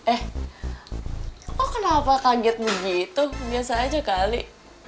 eh kok kenapa kaget begitu biasa aja kali